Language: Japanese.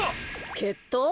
けっとう？